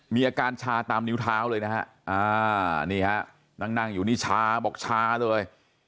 มีอาการชาตามนิ้วเท้าเลยนะฮะนี่ฮะนั่งอยู่นี่ชาบอกชาเลย